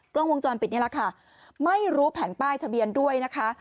กล้องวงจรปิดนี่แหละค่ะไม่รู้แผ่นป้ายทะเบียนด้วยนะคะ